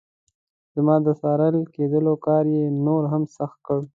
زما د څارل کېدلو کار یې نور هم سخت کړ.